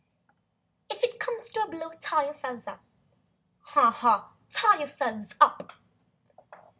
'If it comes up a blow, tie yourselves up.' Ha, ha! Tie yourselves UP!"